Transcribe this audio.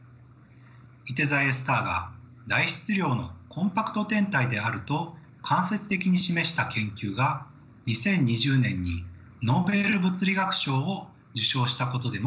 いて座Ａスターが大質量のコンパクト天体であると間接的に示した研究が２０２０年にノーベル物理学賞を受賞したことでも話題となりました。